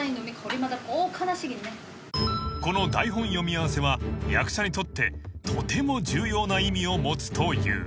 ［この台本読み合わせは役者にとってとても重要な意味を持つという］